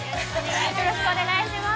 よろしくお願いします